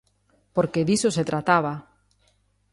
Porque diso se trataba.